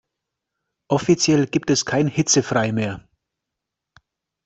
Offiziell gibt es kein Hitzefrei mehr.